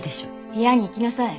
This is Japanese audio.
部屋に行きなさい。